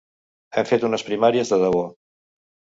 Hem fet unes primàries de debò.